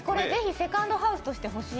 セカンドハウスとして欲しい。